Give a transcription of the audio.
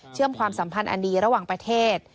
ความสัมพันธ์อันดีระหว่างประเทศ